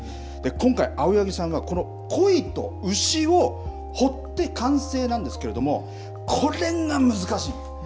今回、青柳さんはこいと牛を彫って完成なんですけれどもこれが難しい。